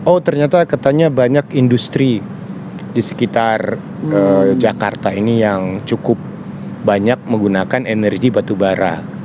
oh ternyata banyak industri di sekitar jakarta ini yang cukup banyak menggunakan energi batubara